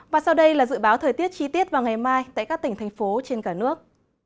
và sau đây là dự báo thời tiết chi tiết vào ngày mai tại các tỉnh thành phố trên cả nước